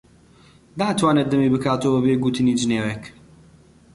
ناتوانێت دەمی بکاتەوە بەبێ گوتنی جنێوێک.